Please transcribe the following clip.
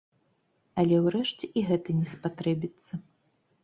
Але ўрэшце і гэта не спатрэбіцца.